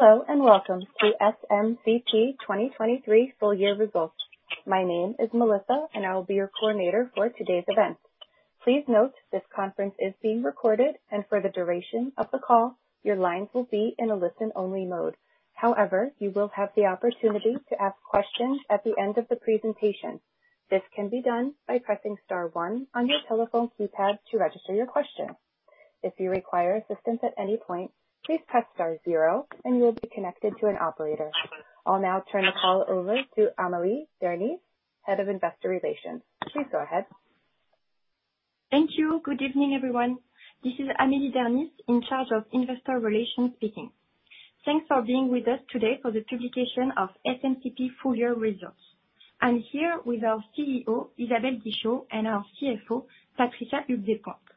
Hello and welcome to SMCP 2023 full-year results. My name is Melissa, and I will be your coordinator for today's event. Please note this conference is being recorded, and for the duration of the call, your lines will be in a listen-only mode. However, you will have the opportunity to ask questions at the end of the presentation. This can be done by pressing star one on your telephone keypad to register your question. If you require assistance at any point, please press star zero, and you will be connected to an operator. I'll now turn the call over to Amélie Dernis, head of investor relations. Please go ahead. Thank you. Good evening, everyone. This is Amélie Dernis in charge of investor relations speaking. Thanks for being with us today for the publication of SMCP full-year results. I'm here with our CEO, Isabelle Guichot, and our CFO, Patricia Huyghues Despointes.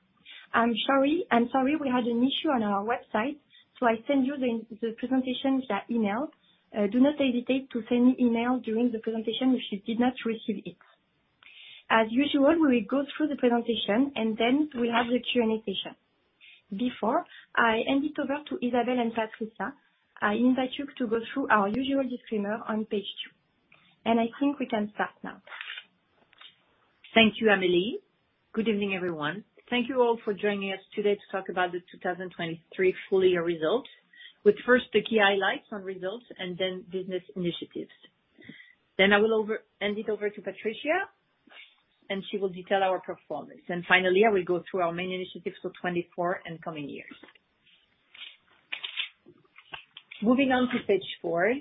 I'm sorry we had an issue on our website, so I sent you the presentation via email. Do not hesitate to send me email during the presentation if you did not receive it. As usual, we will go through the presentation, and then we'll have the Q&A session. Before I hand it over to Isabelle and Patricia. I invite you to go through our usual disclaimer on page two. I think we can start now. Thank you, Amélie. Good evening, everyone. Thank you all for joining us today to talk about the 2023 full-year results, with first the key highlights on results and then business initiatives. Then I will hand it over to Patricia, and she will detail our performance. Finally, I will go through our main initiatives for 2024 and coming years. Moving on to page four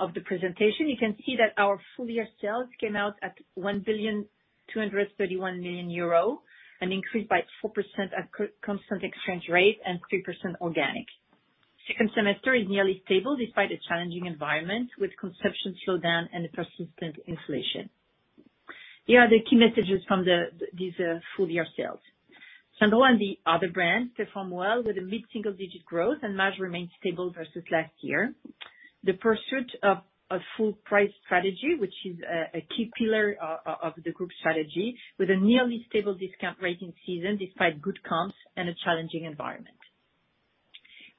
of the presentation, you can see that our full-year sales came out at 1,231 million euro an increase by 4% at constant exchange rate and 3% organic. Second semester is nearly stable despite a challenging environment with consumption slowdown and persistent inflation. Here are the key messages from these full-year sales. Sandro and the other brands perform well with a mid-single-digit growth, and margin remains stable versus last year. The pursuit of a full-price strategy, which is a key pillar of the group strategy, with a nearly stable discount rating season despite good comps and a challenging environment.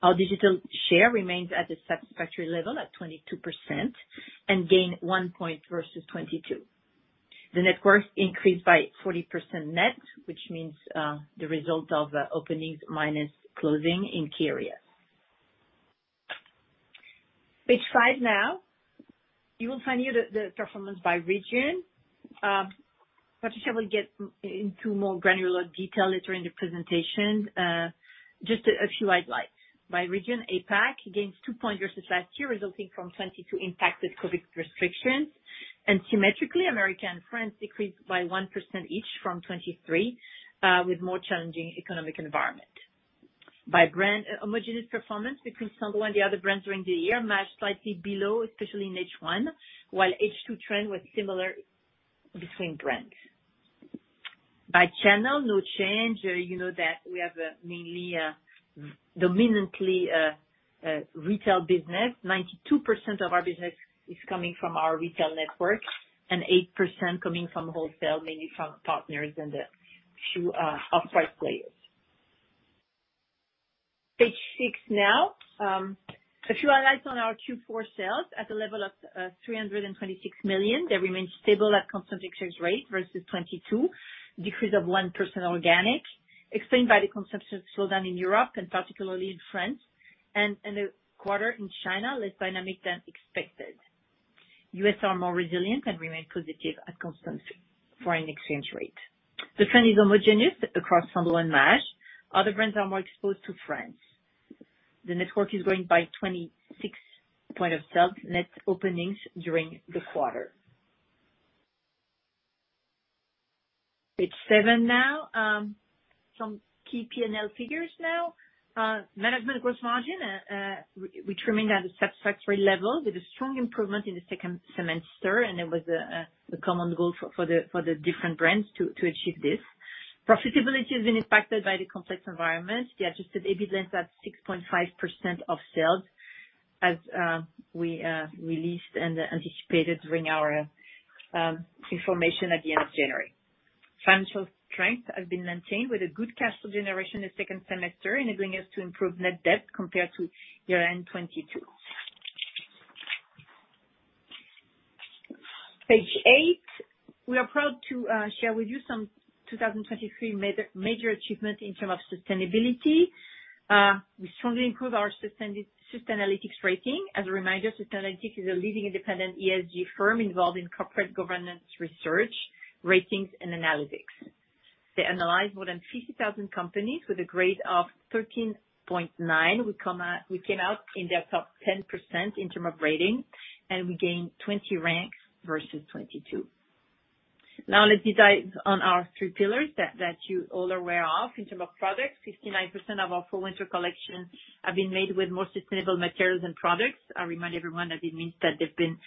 Our digital share remains at a satisfactory level at 22% and gained 1 point versus 22. The net new increased by 40% net, which means the result of openings minus closing in key areas. Page five now. You will find here the performance by region. Patricia will get into more granular detail later in the presentation. Just a few highlights. By region, APAC gains 2 points versus last year, resulting from 2022 impacted by COVID restrictions. Symmetrically, America and France decreased by 1% each from 2023, with a more challenging economic environment. By brand, homogeneous performance between Sandro and the other brands during the year Maje slightly below, especially in H1, while H2 trend was similar between brands. By channel, no change. You know that we have mainly dominantly retail business. 92% of our business is coming from our retail network and 8% coming from wholesale, mainly from partners and a few off-price players. Page six now, a few highlights on our Q4 sales at the level of 326 million. They remained stable at constant exchange rate versus 2022, decrease of 1% organic, explained by the consumption slowdown in Europe and particularly in France, and a quarter in China less dynamic than expected. U.S. are more resilient and remain positive at constant foreign exchange rate. The trend is homogeneous across Sandro and Maje. Other brands are more exposed to France. The network is growing by 26 points of net openings during the quarter. Page seven now. Some key P&L figures now. Management Gross Margin, which remained at a satisfactory level with a strong improvement in the second semester, and it was a common goal for the different brands to achieve this. Profitability has been impacted by the complex environment. The Adjusted EBITDA landed at 6.5% of sales, as we released and anticipated during our information at the end of January. Financial strength has been maintained with a good cash flow generation in the second semester, enabling us to improve net debt compared to year-end 2022. Page eight. We are proud to share with you some 2023 major achievements in terms of sustainability. We strongly improved our Sustainalytics rating. As a reminder, Sustainalytics is a leading independent ESG firm involved in corporate governance research, ratings, and analytics. They analyzed more than 50,000 companies with a grade of 13.9. We came out in their top 10% in terms of rating, and we gained 20 ranks versus 2022. Now, let's dive on our three pillars that you're all aware of. In terms of products, 59% of our Fall/Winter collection have been made with more sustainable materials and products. I remind everyone that it means that they've been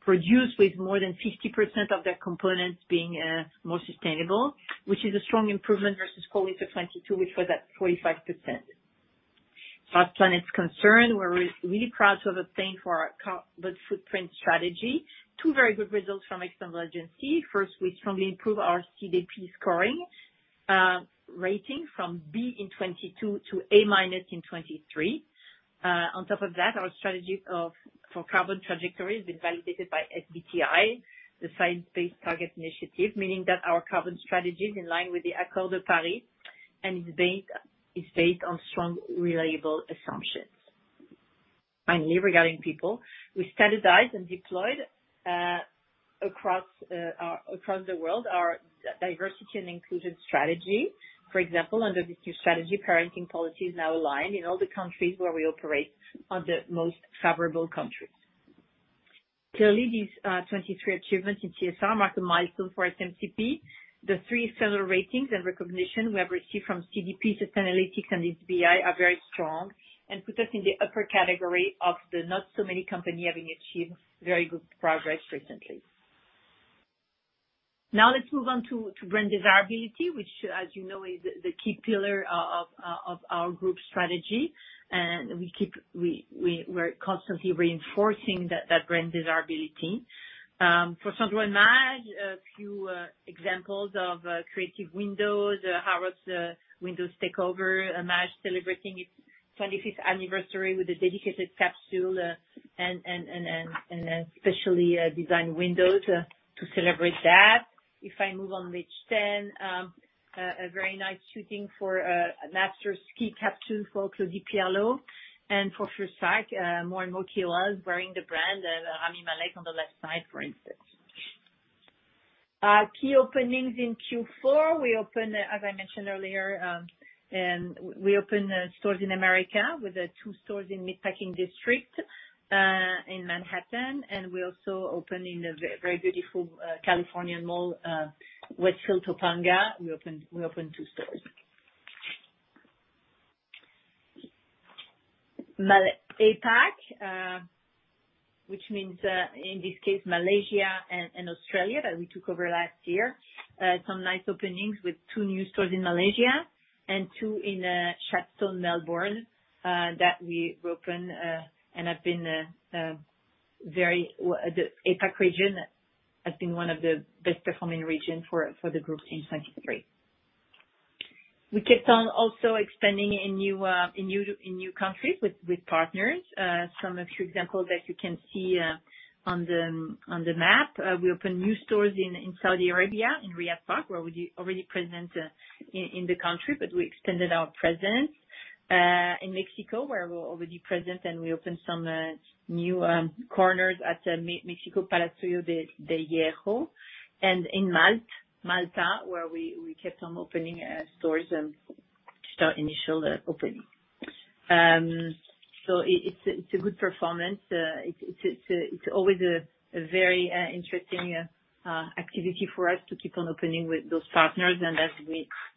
produced with more than 50% of their components being more sustainable, which is a strong improvement versus Fall/Winter 2022, which was at 45%. As far as planet's concerned, we're really proud to have obtained for our carbon footprint strategy two very good results from SBTi validation seal. First, we strongly improved our CDP scoring rating from B in 2022 to A- in 2023. On top of that, our strategy for carbon trajectory has been validated by SBTi, the Science Based Targets initiative, meaning that our carbon strategy is in line with the Accords of Paris and is based on strong, reliable assumptions. Finally, regarding people, we standardized and deployed across the world our diversity and inclusion strategy. For example, under this new strategy, parenting policy is now aligned in all the countries where we operate to the most favorable countries. Clearly, these 2023 achievements in CSR mark a milestone for SMCP. The three external ratings and recognition we have received from CDP, Sustainalytics, and SBTi are very strong and put us in the upper category of the not-so-many companies having achieved very good progress recently. Now, let's move on to brand desirability, which, as you know, is the key pillar of our group strategy. We're constantly reinforcing that brand desirability. For Sandro and Maje, a few examples of Creative Windows, Harrods Windows Takeover, Maje celebrating its 25th anniversary with a dedicated capsule and specially designed windows to celebrate that. If I move on to page 10, a very nice shooting for a master ski capsule for Claudie Pierlot. And for Fursac, more and more KOLs wearing the brand, Rami Malek on the left side, for instance. Key openings in Q4. We open, as I mentioned earlier, we open stores in America with two stores in Meatpacking District in Manhattan. And we also open in a very beautiful Californian mall, Westfield Topanga. We opened two stores. APAC, which means in this case, Malaysia and Australia that we took over last year, some nice openings with two new stores in Malaysia and two in Chadstone, Melbourne, that we reopened and have been very the APAC region has been one of the best-performing regions for the group in 2023. We kept on also expanding in new countries with partners. Some a few examples that you can see on the map. We opened new stores in Saudi Arabia, in Riyadh Park, where we already present in the country, but we expanded our presence. In Mexico, where we're already present, and we opened some new corners at Mexico Palacio de Hierro. And in Malta, where we kept on opening stores to start initial opening. So it's a good performance. It's always a very interesting activity for us to keep on opening with those partners. As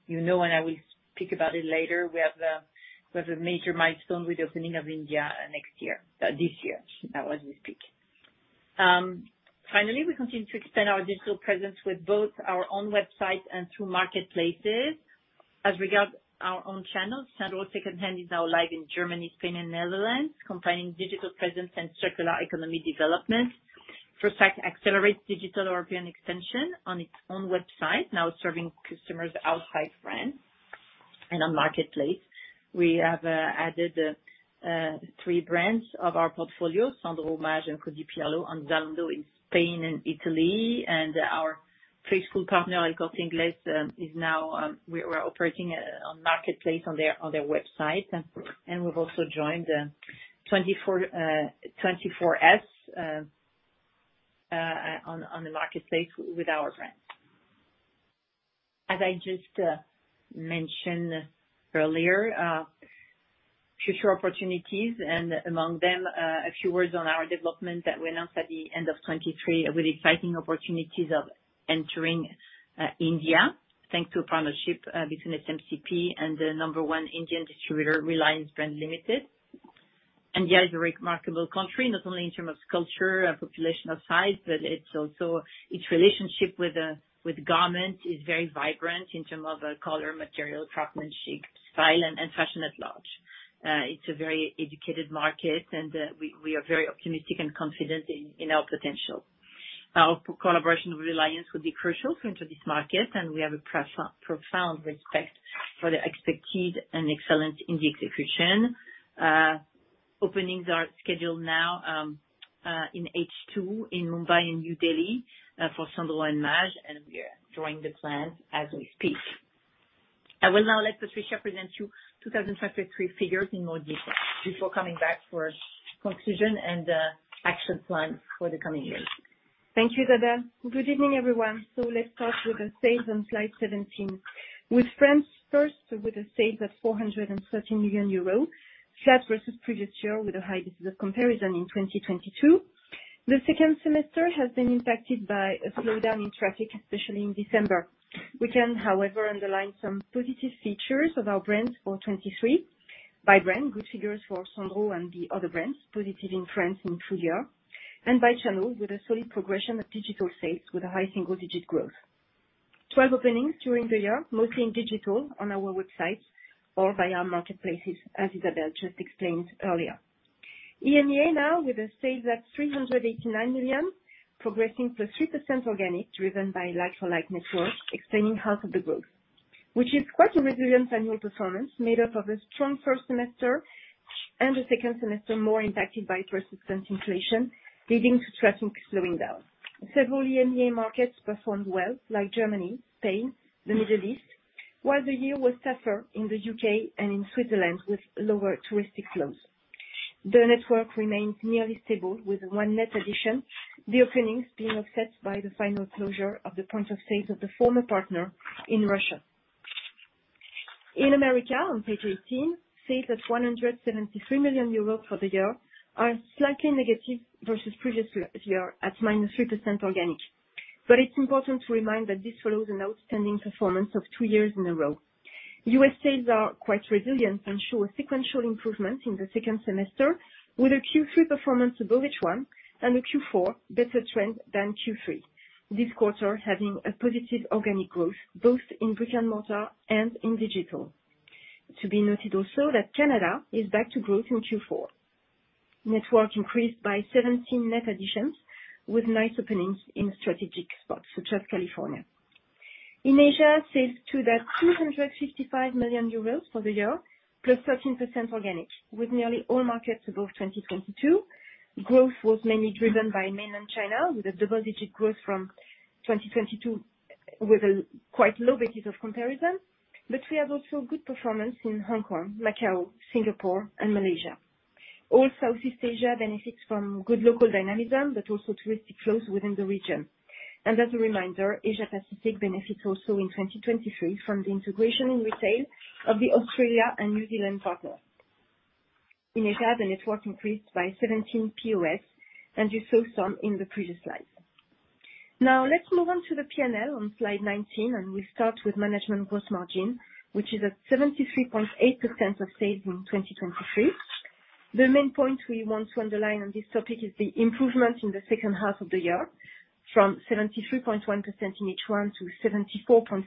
you know, and I will speak about it later, we have a major milestone with the opening of India next year, this year. That was this week. Finally, we continue to expand our digital presence with both our own website and through marketplaces. As regards our own channels, Sandro Secondhand is now live in Germany, Spain, and Netherlands, combining digital presence and circular economy development. Fursac accelerates digital European extension on its own website, now serving customers outside France and on marketplace. We have added three brands of our portfolio, Sandro, Maje, and Claudie Pierlot, on Zalando in Spain and Italy. And our faithful partner, El Corte Inglés, is now we're operating on marketplace on their website. And we've also joined 24S on the marketplace with our brands. As I just mentioned earlier, future opportunities. Among them, a few words on our development that we announced at the end of 2023 with exciting opportunities of entering India, thanks to a partnership between SMCP and the number one Indian distributor, Reliance Brands Limited. India is a remarkable country, not only in terms of culture and population of size, but its relationship with garments is very vibrant in terms of color, material, craftsmanship, style, and fashion at large. It's a very educated market, and we are very optimistic and confident in our potential. Our collaboration with Reliance would be crucial to enter this market, and we have a profound respect for their expertise and excellence in the execution. Openings are scheduled now in H2 in Mumbai and New Delhi for Sandro and Maje, and we're drawing the plans as we speak. I will now let Patricia present you 2023 figures in more detail before coming back for conclusion and action plan for the coming years. Thank you, Isabelle. Good evening, everyone. Let's start with the sales on slide 17. With France first, with sales of 413 million euros, flat versus previous year with a high business comparison in 2022. The second semester has been impacted by a slowdown in traffic, especially in December. We can, however, underline some positive features of our brands for 2023. By brand, good figures for Sandro and the other brands, positive in France in full year. By channel, with a solid progression of digital sales with a high single-digit growth. 12 openings during the year, mostly in digital on our websites or via marketplaces, as Isabelle just explained earlier. EMEA now with sales at 389 million, progressing +3% organic driven by Like-for-Like network, explaining half of the growth, which is quite a resilient annual performance made up of a strong first semester and a second semester more impacted by persistent inflation, leading to traffic slowing down. Several EMEA markets performed well, like Germany, Spain, the Middle East, while the year was tougher in the U.K. and in Switzerland with lower touristic flows. The network remained nearly stable with one net addition, the openings being offset by the final closure of the point of sales of the former partner in Russia. In America, on page 18, sales at 173 million euros for the year are slightly negative versus previous year at -3% organic. But it's important to remind that this follows an outstanding performance of two years in a row. U.S. sales are quite resilient and show a sequential improvement in the second semester with a Q3 performance above H1 and a Q4 better trend than Q3, this quarter having a positive organic growth both in brick-and-mortar and in digital. To be noted also that Canada is back to growth in Q4. Network increased by 17 net additions with nice openings in strategic spots such as California. In Asia, sales to that 255 million euros for the year +13% organic with nearly all markets above 2022. Growth was mainly driven by mainland China with a double-digit growth from 2022 with a quite low basis of comparison. But we have also good performance in Hong Kong, Macau, Singapore, and Malaysia. All Southeast Asia benefits from good local dynamism but also touristic flows within the region. As a reminder, Asia-Pacific benefits also in 2023 from the integration in retail of the Australia and New Zealand partners. In Asia, the network increased by 17 POS, and you saw some in the previous slides. Now, let's move on to the P&L on slide 19, and we'll start with management gross margin, which is at 73.8% of sales in 2023. The main point we want to underline on this topic is the improvement in the second half of the year from 73.1% in H1 to 74.4%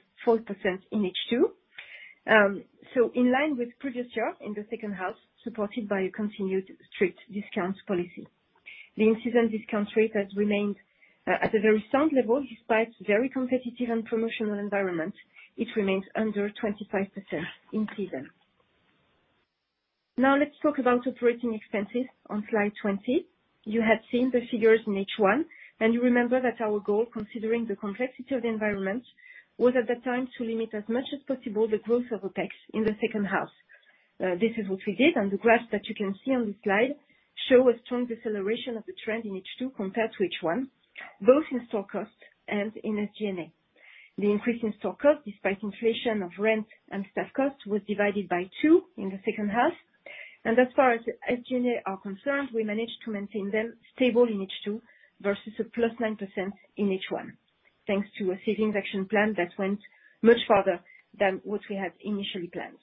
in H2. So in line with previous year in the second half, supported by a continued strict discounts policy. The in-season discount rate has remained at a very sound level despite very competitive and promotional environment. It remains under 25% in season. Now, let's talk about operating expenses on slide 20. You had seen the figures in H1, and you remember that our goal, considering the complexity of the environment, was at that time to limit as much as possible the growth of OPEX in the second half. This is what we did, and the graphs that you can see on this slide show a strong deceleration of the trend in H2 compared to H1, both in store costs and in SG&A. The increase in store costs, despite inflation of rent and staff costs, was divided by two in the second half. As far as SG&A are concerned, we managed to maintain them stable in H2 versus +9% in H1, thanks to a savings action plan that went much farther than what we had initially planned.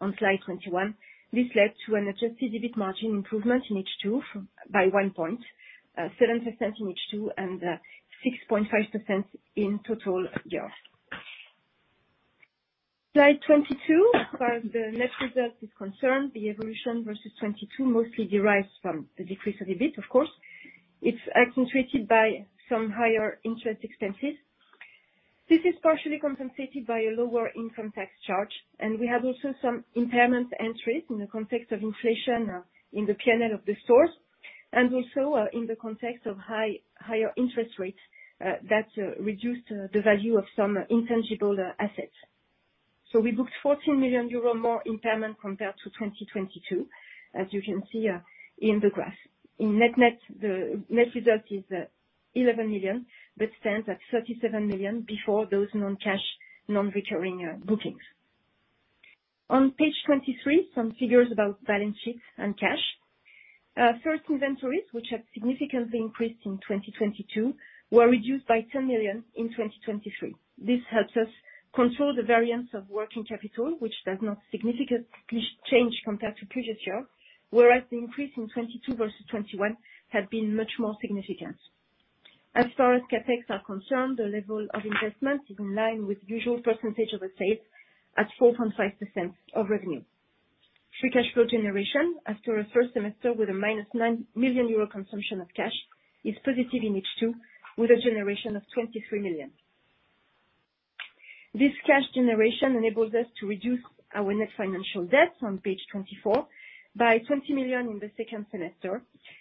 On slide 21, this led to an adjusted EBITDA margin improvement in H2 by one point, 7% in H2, and 6.5% in total year. Slide 22, as far as the net result is concerned, the evolution versus 2022 mostly derives from the decrease of EBITDA, of course. It's accentuated by some higher interest expenses. This is partially compensated by a lower income tax charge. We had also some impairment entries in the context of inflation in the P&L of the stores and also in the context of higher interest rates that reduced the value of some intangible assets. So we booked 14 million euro more impairment compared to 2022, as you can see in the graph. In net-net the net result is 11 million but stands at 37 million before those non-cash, non-recurring bookings. On page 23, some figures about balance sheets and cash. First inventories, which had significantly increased in 2022, were reduced by 10 million in 2023. This helps us control the variance of working capital, which does not significantly change compared to previous year, whereas the increase in 2022 versus 2021 had been much more significant. As far as CapEx are concerned, the level of investment is in line with usual percentage of the sales at 4.5% of revenue. Free cash flow generation after a first semester with a -9 million euro consumption of cash is positive in H2 with a generation of 23 million. This cash generation enables us to reduce our net financial debt on page 24 by 20 million in the second semester,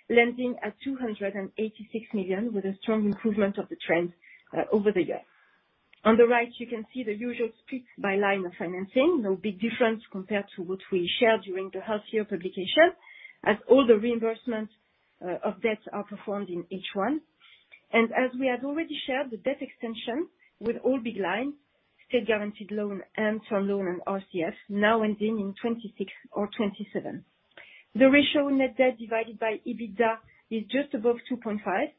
landing at 286 million with a strong improvement of the trend over the year. On the right, you can see the usual split by line of financing, no big difference compared to what we shared during the half-year publication, as all the reimbursements of debt are performed in H1. As we had already shared, the debt extension with all big lines, state-guaranteed loan and term loan and RCF, now ending in 2026 or 2027. The ratio net debt divided by EBITDA is just above 2.5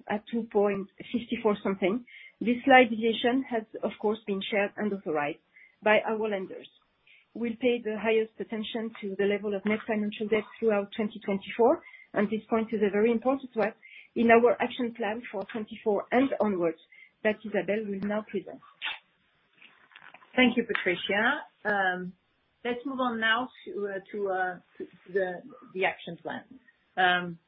at 2.54-something. This slight deviation has, of course, been shared and authorized by our lenders. We'll pay the highest attention to the level of net financial debt throughout 2024. This point is a very important one in our action plan for 2024 and onwards that Isabelle will now present. Thank you, Patricia. Let's move on now to the action plan.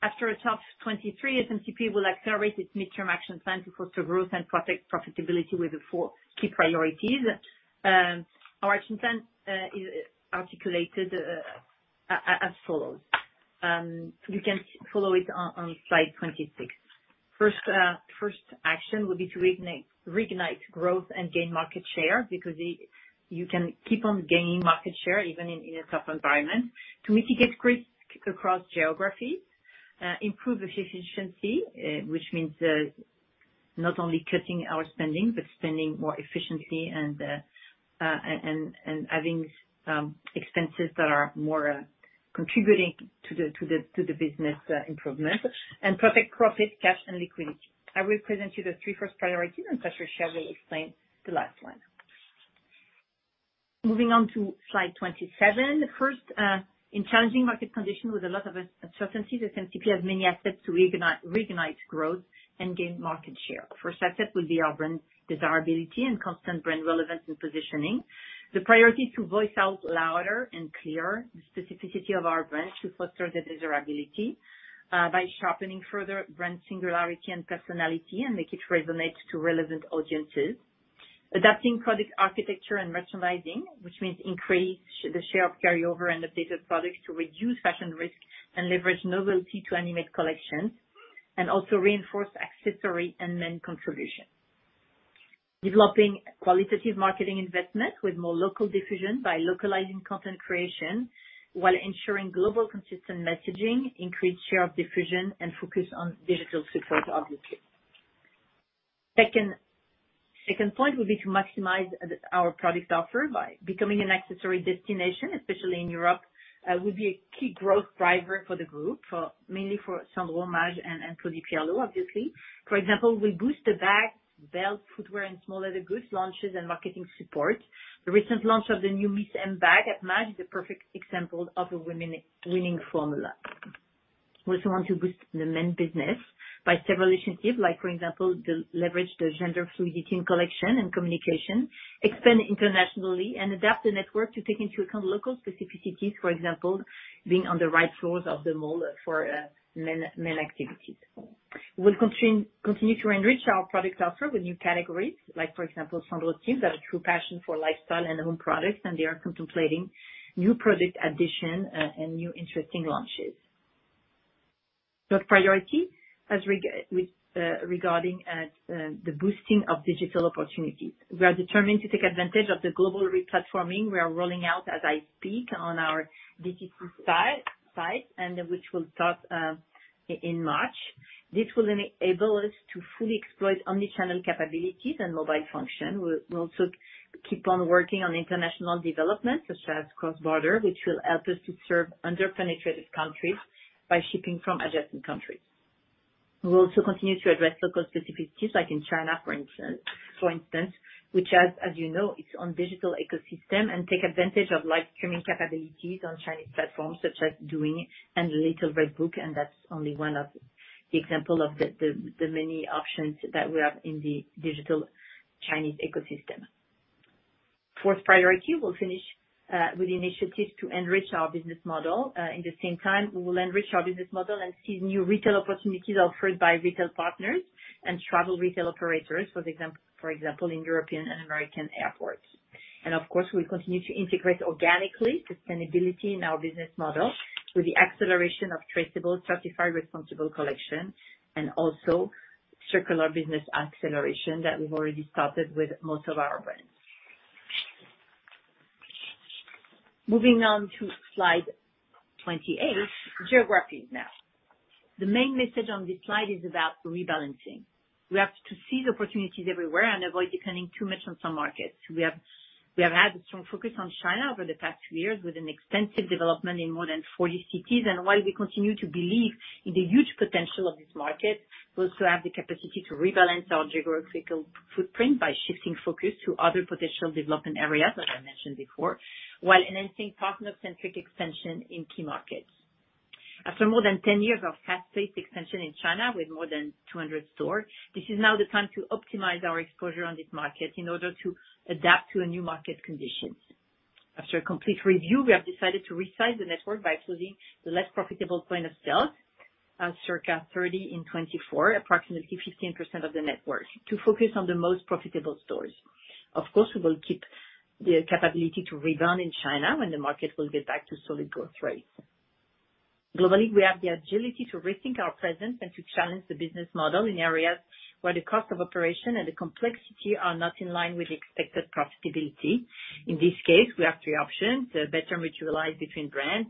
After a tough 2023, SMCP will accelerate its midterm action plan to foster growth and protect profitability with four key priorities. Our action plan is articulated as follows. You can follow it on slide 26. First action would be to reignite growth and gain market share because you can keep on gaining market share even in a tough environment, to mitigate risk across geographies, improve efficiency, which means not only cutting our spending but spending more efficiently and having expenses that are more contributing to the business improvement, and protect profit, cash, and liquidity. I will present you the three first priorities, and Patricia will explain the last one. Moving on to slide 27. First, in challenging market conditions with a lot of uncertainty, SMCP has many assets to reignite growth and gain market share. First asset would be our brand desirability and constant brand relevance and positioning. The priority is to voice out louder and clearer the specificity of our brand to foster the desirability by sharpening further brand singularity and personality and make it resonate to relevant audiences. Adapting product architecture and merchandising, which means increase the share of carryover and updated products to reduce fashion risk and leverage novelty to animate collections, and also reinforce accessory and men contribution. Developing qualitative marketing investment with more local diffusion by localizing content creation while ensuring global consistent messaging, increased share of diffusion, and focus on digital support, obviously. Second point would be to maximize our product offer by becoming an accessory destination, especially in Europe, would be a key growth driver for the group, mainly for Sandro, Maje, and Claudie Pierlot, obviously. For example, we boost the bags, belts, footwear, and smaller goods launches and marketing support. The recent launch of the new Miss M bag at Maje is a perfect example of a women-winning formula. We also want to boost the men business by several initiatives like, for example, leverage the gender fluidity in collection and communication, expand internationally, and adapt the network to take into account local specificities, for example, being on the right floors of the mall for men activities. We will continue to enrich our product offer with new categories like, for example, channel teams have a true passion for lifestyle and home products, and they are contemplating new product additions and new interesting launches. Third priority regarding the boosting of digital opportunities. We are determined to take advantage of the global replatforming we are rolling out as I speak on our DTC site, which will start in March. This will enable us to fully exploit omnichannel capabilities and mobile function. We'll also keep on working on international development such as CrossBorder, which will help us to serve under-penetrated countries by shipping from adjacent countries. We'll also continue to address local specificities like in China, for instance, which has, as you know, its own digital ecosystem and take advantage of live streaming capabilities on Chinese platforms such as Douyin and Little Red Book. And that's only one of the examples of the many options that we have in the digital Chinese ecosystem. Fourth priority, we'll finish with initiatives to enrich our business model. In the same time, we will enrich our business model and seize new retail opportunities offered by retail partners and travel retail operators, for example, in European and American airports. And of course, we'll continue to integrate organically sustainability in our business model with the acceleration of traceable, certified, responsible collection and also circular business acceleration that we've already started with most of our brands. Moving on to Slide 28, geographies now. The main message on this slide is about rebalancing. We have to seize opportunities everywhere and avoid depending too much on some markets. We have had a strong focus on China over the past few years with an extensive development in more than 40 cities. While we continue to believe in the huge potential of this market, we also have the capacity to rebalance our geographical footprint by shifting focus to other potential development areas, as I mentioned before, while enhancing partner-centric expansion in key markets. After more than 10 years of fast-paced expansion in China with more than 200 stores, this is now the time to optimize our exposure on this market in order to adapt to new market conditions. After a complete review, we have decided to resize the network by closing the less profitable point of sales, circa 30 in 2024, approximately 15% of the network, to focus on the most profitable stores. Of course, we will keep the capability to rebound in China when the market will get back to solid growth rates. Globally, we have the agility to rethink our presence and to challenge the business model in areas where the cost of operation and the complexity are not in line with expected profitability. In this case, we have three options: better mutualize between brands,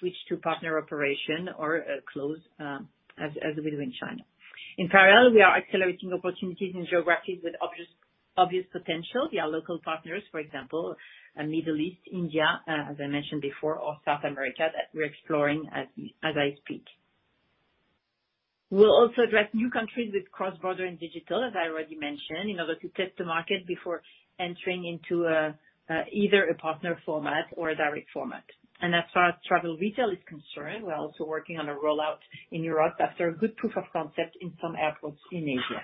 switch to partner operation, or close as we do in China. In parallel, we are accelerating opportunities in geographies with obvious potential. We have local partners, for example, Middle East, India, as I mentioned before, or South America that we're exploring as I speak. We'll also address new countries with CrossBorder and digital, as I already mentioned, in order to test the market before entering into either a partner format or a direct format. And as far as travel retail is concerned, we're also working on a rollout in Europe after a good proof of concept in some airports in Asia.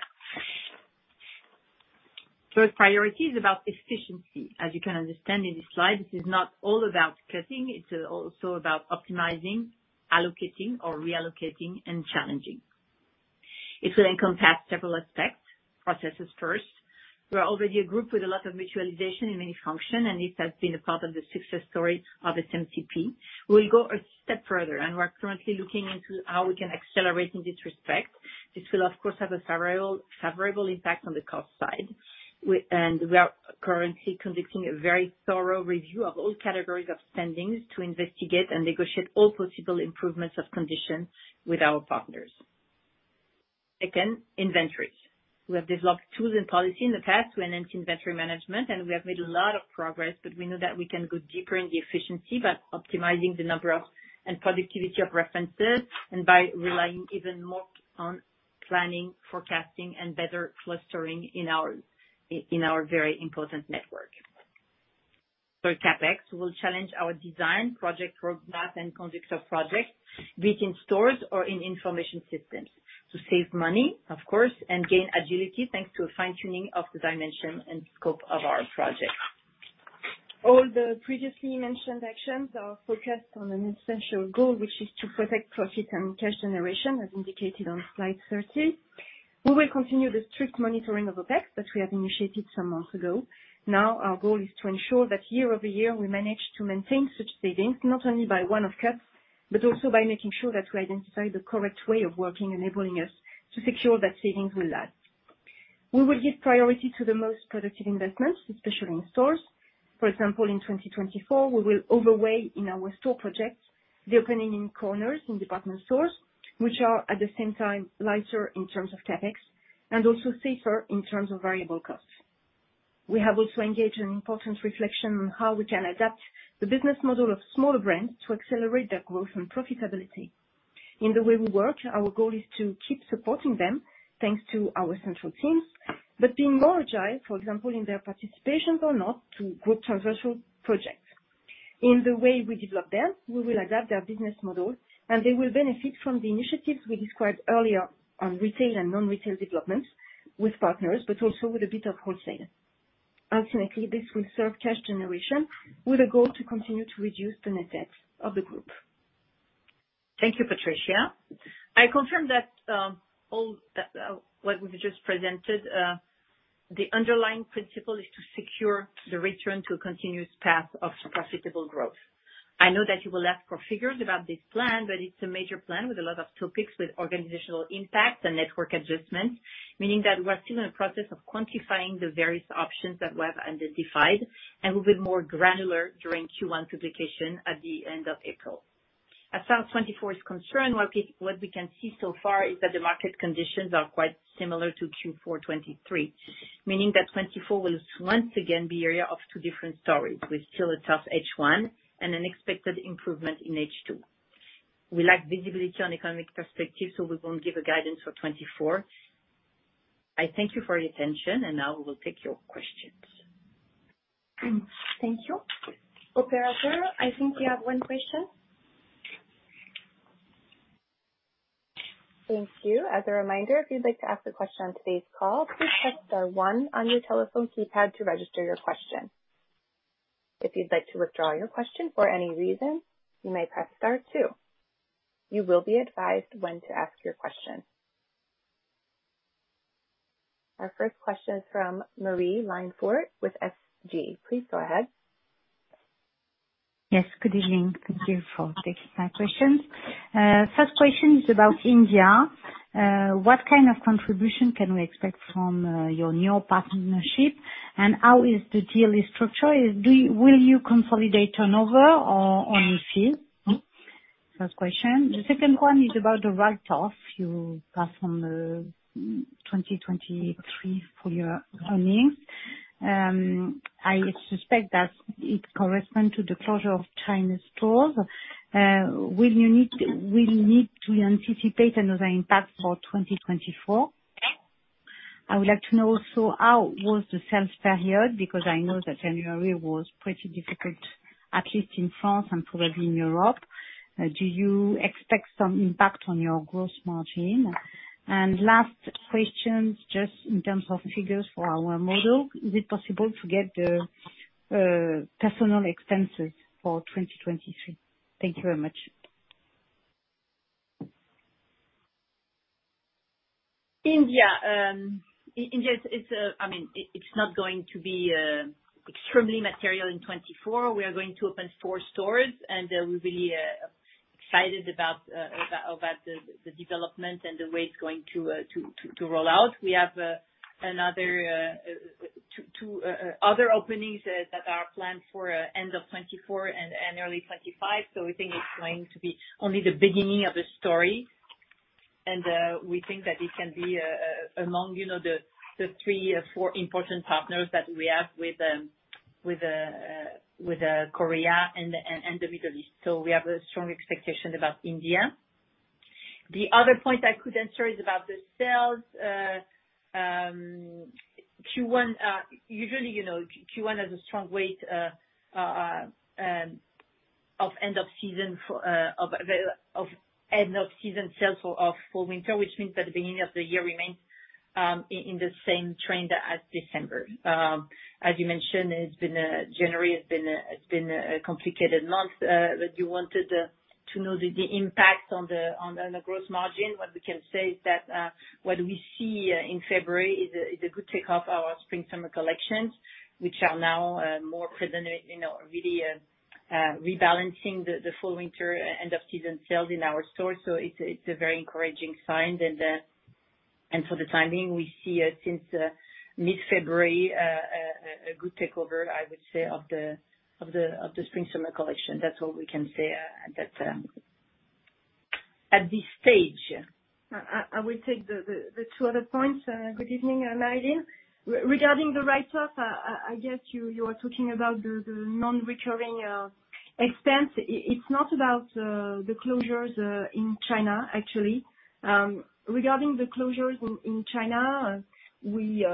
Third priority is about efficiency. As you can understand in this slide, this is not all about cutting. It's also about optimizing, allocating, or reallocating, and challenging. It will encompass several aspects, processes first. We are already a group with a lot of mutualization in many functions, and this has been a part of the success story of SMCP. We'll go a step further, and we're currently looking into how we can accelerate in this respect. This will, of course, have a favorable impact on the cost side. We are currently conducting a very thorough review of all categories of spending to investigate and negotiate all possible improvements of conditions with our partners. Second, inventories. We have developed tools and policies in the past to enhance inventory management, and we have made a lot of progress. But we know that we can go deeper in the efficiency by optimizing the number and productivity of references and by relying even more on planning, forecasting, and better clustering in our very important network. Third, CapEx. We'll challenge our design, project roadmap, and conduct of projects, be it in stores or in information systems, to save money, of course, and gain agility thanks to a fine-tuning of the dimension and scope of our projects. All the previously mentioned actions are focused on an essential goal, which is to protect profit and cash generation, as indicated on slide 30. We will continue the strict monitoring of OPEX that we had initiated some months ago. Now, our goal is to ensure that year-over-year, we manage to maintain such savings not only by one-off cuts but also by making sure that we identify the correct way of working, enabling us to secure that savings will last. We will give priority to the most productive investments, especially in stores. For example, in 2024, we will overweight in our store projects the opening in corners in department stores, which are at the same time lighter in terms of CapEx and also safer in terms of variable costs. We have also engaged in important reflection on how we can adapt the business model of smaller brands to accelerate their growth and profitability. In the way we work, our goal is to keep supporting them thanks to our central teams but being more agile, for example, in their participations or not to group transversal projects. In the way we develop them, we will adapt their business model, and they will benefit from the initiatives we described earlier on retail and non-retail developments with partners but also with a bit of wholesale. Ultimately, this will serve cash generation with a goal to continue to reduce the net debt of the group. Thank you, Patricia. I confirm that what we've just presented, the underlying principle is to secure the return to a continuous path of profitable growth. I know that you will ask for figures about this plan, but it's a major plan with a lot of topics with organizational impact and network adjustments, meaning that we are still in the process of quantifying the various options that we have identified and will be more granular during Q1 publication at the end of April. As far as 2024 is concerned, what we can see so far is that the market conditions are quite similar to Q4 2023, meaning that 2024 will once again be an area of two different stories with still a tough H1 and an expected improvement in H2. We lack visibility on economic perspective, so we won't give a guidance for 2024. I thank you for your attention, and now we will take your questions. Thank you. Operator, I think we have one question. Thank you. As a reminder, if you'd like to ask a question on today's call, please press star one on your telephone keypad to register your question. If you'd like to withdraw your question for any reason, you may press star two. You will be advised when to ask your question. Our first question is from Marie-Line Fort with SG. Please go ahead. Yes. Good evening. Thank you for taking my questions. First question is about India. What kind of contribution can we expect from your new partnership, and how is the deal structured? Will you consolidate turnover on EC? First question. The second one is about the write-off you passed on the 2023 full year earnings. I suspect that it corresponds to the closure of China's stores. Will you need to anticipate another impact for 2024? I would like to know also how was the sales period because I know that January was pretty difficult, at least in France and probably in Europe. Do you expect some impact on your gross margin? And last questions, just in terms of figures for our model. Is it possible to get the personnel expenses for 2023? Thank you very much. India. India, I mean, it's not going to be extremely material in 2024. We are going to open four stores, and we're really excited about the development and the way it's going to roll out. We have two other openings that are planned for end of 2024 and early 2025. So we think it's going to be only the beginning of a story, and we think that it can be among the three, four important partners that we have with Korea and the Middle East. So we have a strong expectation about India. The other point I could answer is about the sales. Usually, Q1 has a strong weight of end-of-season sales for winter, which means that the beginning of the year remains in the same trend as December. As you mentioned, January has been a complicated month, but you wanted to know the impact on the gross margin. What we can say is that what we see in February is a good takeoff of our spring, summer collections, which are now more really rebalancing the full winter end-of-season sales in our stores. It's a very encouraging sign. For the timing, we see since mid-February a good takeover, I would say, of the spring, summer collection. That's what we can say at this stage. I will take the two other points. Good evening, Marie-Line. Regarding the write-off, I guess you were talking about the non-recurring expense. It's not about the closures in China, actually. Regarding the closures in China, we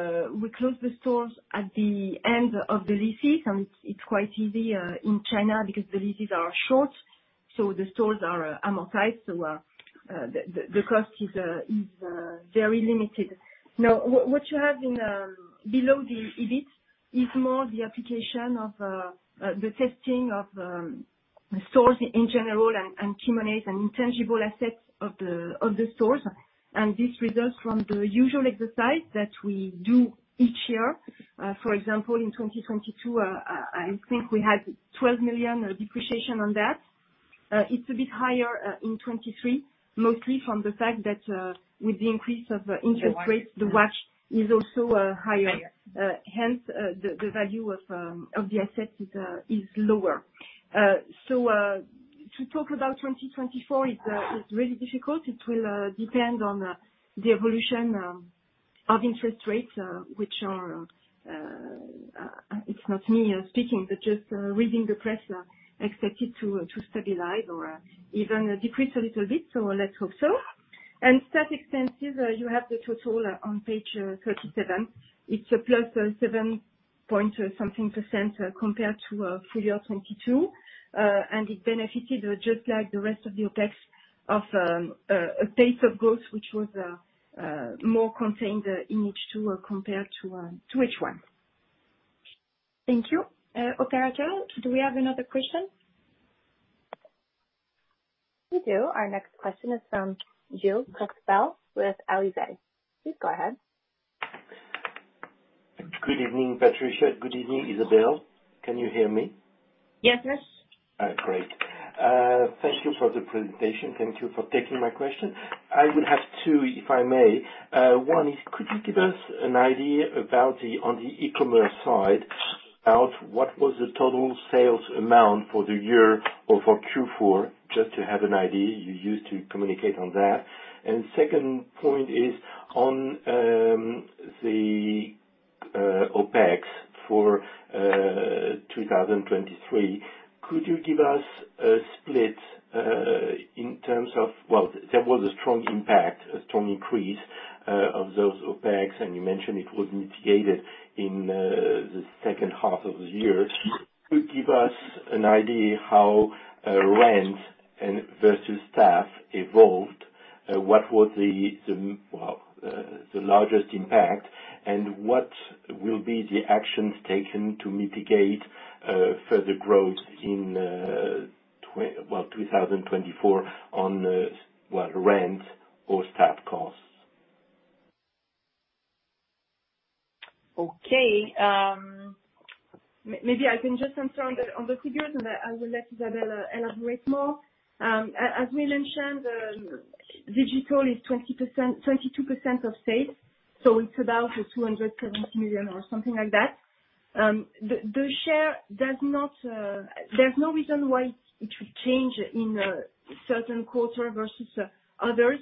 close the stores at the end of the leases, and it's quite easy in China because the leases are short. So the stores are amortized, so the cost is very limited. Now, what you have below the EBIT is more the application of the testing of stores in general and key moneys and intangible assets of the stores. This results from the usual exercise that we do each year. For example, in 2022, I think we had 12 million depreciation on that. It's a bit higher in 2023, mostly from the fact that with the increase of interest rates, the WACC is also higher. Hence, the value of the assets is lower. So to talk about 2024 is really difficult. It will depend on the evolution of interest rates, which are, it's not me speaking, but just reading the press, expected to stabilize or even decrease a little bit. So let's hope so. And SG&A expenses, you have the total on page 37. It's a +7.% something compared to full year 2022. And it benefited just like the rest of the OPEX of a pace of growth which was more contained in H2 compared to H1. Thank you. Operator, do we have another question? We do. Our next question is from Gilles Crespel with Alizés. Please go ahead. Good evening, Patricia. Good evening, Isabelle. Can you hear me? Yes, yes. All right. Great. Thank you for the presentation. Thank you for taking my question. I would have two, if I may. One is, could you give us an idea on the e-commerce side about what was the total sales amount for the year or for Q4, just to have an idea? You used to communicate on that. The second point is on the OPEX for 2023. Could you give us a split in terms of well, there was a strong impact, a strong increase of those OPEX, and you mentioned it was mitigated in the second half of the year. Could you give us an idea how rent versus staff evolved? What was the, well, the largest impact? What will be the actions taken to mitigate further growth in, well, 2024 on, well, rent or staff costs? Okay. Maybe I can just answer on the figures, and I will let Isabelle elaborate more. As we mentioned, digital is 22% of sales, so it's about 270 million or something like that. The share does not. There's no reason why it should change in certain quarters versus others.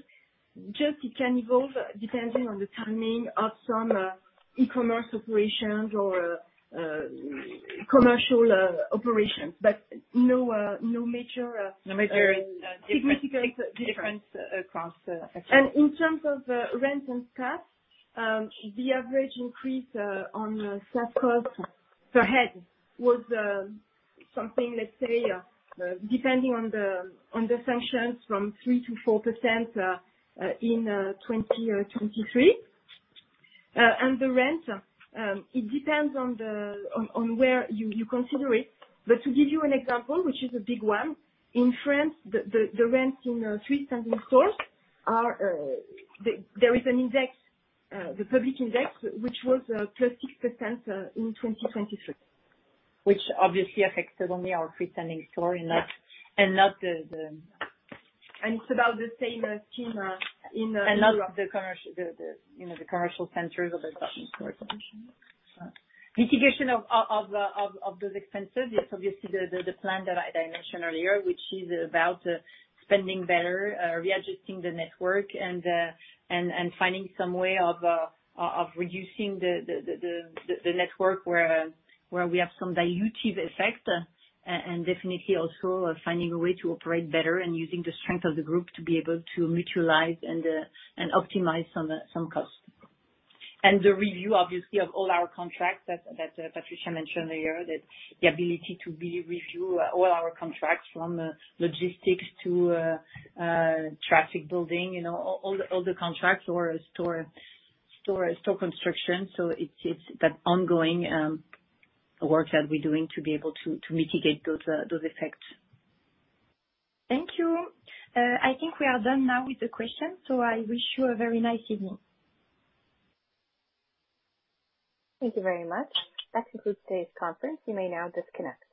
Just it can evolve depending on the timing of some e-commerce operations or commercial operations. But no major. No major difference. Significant difference across. In terms of rent and staff, the average increase on staff costs per head was something, let's say, depending on the sanctions, from 3%-4% in 2023. The rent, it depends on where you consider it. But to give you an example, which is a big one, in France, the rents in freestanding stores are there is an index, the public index, which was +6% in 2023. Which obviously affected only our freestanding store and not the. It's about the same team in Europe. And not the commercial centers or department stores. Mitigation of those expenses, it's obviously the plan that I mentioned earlier, which is about spending better, readjusting the network, and finding some way of reducing the network where we have some dilutive effect, and definitely also finding a way to operate better and using the strength of the group to be able to mutualize and optimize some costs. And the review, obviously, of all our contracts that Patricia mentioned earlier, the ability to really review all our contracts from logistics to traffic building, all the contracts or store construction. So it's that ongoing work that we're doing to be able to mitigate those effects. Thank you. I think we are done now with the questions, so I wish you a very nice evening. Thank you very much. That concludes today's conference. You may now disconnect.